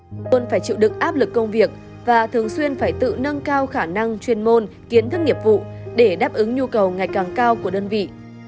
công tác luôn phải chịu được áp lực công việc và thường xuyên phải tự nâng cao khả năng chuyên môn kiến thức nghiệp vụ để đáp ứng nhu cầu ngày càng cao của đơn vị